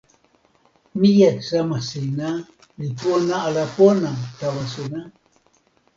mije sama sina li pona ala pona tawa sina?